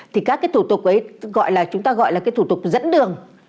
thì các cái thủ tục ấy chúng ta gọi là cái thủ tục dẫn đường